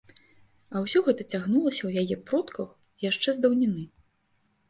А ўсё гэта цягнулася ў яе продках яшчэ з даўніны.